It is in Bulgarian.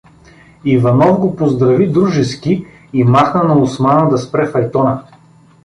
Иванов го поздрави дружески и махна на Османа да спре файтона.